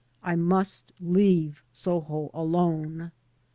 I must leave Soho alone.